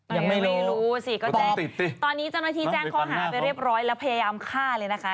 ยังไม่รู้สิก็แจ้งสิตอนนี้เจ้าหน้าที่แจ้งข้อหาไปเรียบร้อยแล้วพยายามฆ่าเลยนะคะ